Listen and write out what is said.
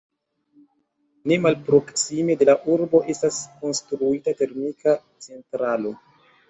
Ne malproksime de la urbo estas konstruita termika centralo.